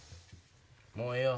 もうええよ